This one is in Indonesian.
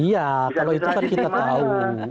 iya kalau itu kan kita tahu